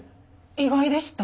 意外でした。